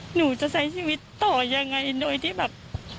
หนูจะใช้ชีวิตต่อยังไงโดยที่แบบ